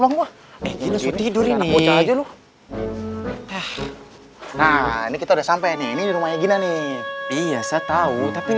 udah nyokong gua tidur ini aja loh nah ini kita udah sampai nih rumahnya gini biasa tahu tapi